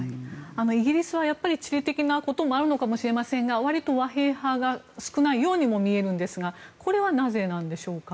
イギリスは地理的なこともあるのかもしれませんがわりと和平派が少ないようにも見えるんですがこれはなぜなんでしょうか。